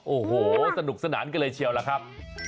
โอ้โหสนุกสนานกันเลยเชียวล่ะครับ